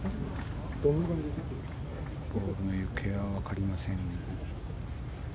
ボールの行方はわかりません。